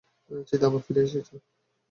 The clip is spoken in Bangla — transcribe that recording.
চিতা আবার ফিরে এসেছে।